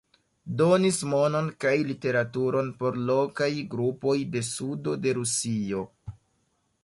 Donis monon kaj literaturon por lokaj grupoj de sudo de Rusio.